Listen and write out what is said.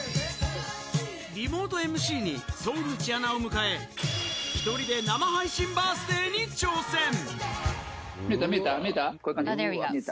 リモートＭＣに荘口アナを迎え、１人で生配信バースデーに挑見えた？